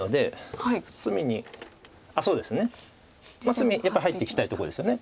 隅やっぱり入っていきたいとこですよね。